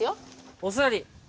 お座り！